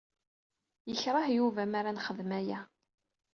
Yekreh Yuba mi ara nxeddem aya.